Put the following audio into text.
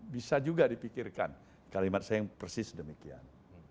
bisa juga dipikirkan kalimat saya yang persis demikian